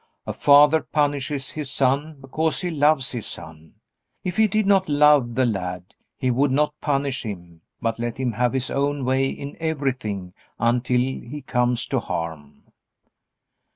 A father punishes his son because he loves his son. If he did not love the lad he would not punish him but let him have his own way in everything until he comes to harm.